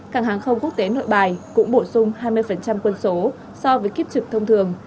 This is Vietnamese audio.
cảng hàng không quốc tế nội bài cũng bổ sung hai mươi quân số so với kiếp trực thông thường